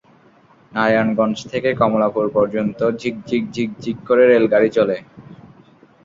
নারায়ণগঞ্জ থেকে কমলাপুর পর্যন্ত ঝিক্ ঝিক্ ঝিক্ ঝিক্ করে রেলগাড়ি চলে।